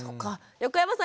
横山さん